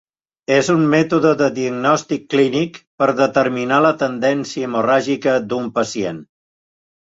És un mètode de diagnòstic clínic per determinar la tendència hemorràgica d'un pacient.